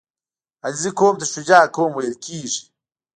• علیزي قوم ته شجاع قوم ویل کېږي.